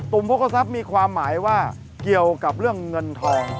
ตุ่มโภคกระทรัพย์มีความหมายว่าเกี่ยวกับเรื่องเงินทอง